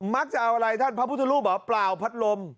มักจะเอาอะไรท่านพระพุทธรูปเหรอเปล่าพัดลม